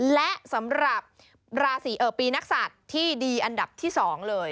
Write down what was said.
และสำหรับปีนักศาสตร์ที่ดีอันดับที่๒เลย